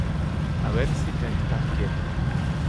A ver si te estás quieto.